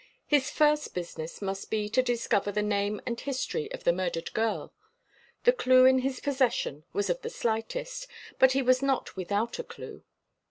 His first business must be to discover the name and history of the murdered girl. The clue in his possession was of the slightest; but he was not without a clue.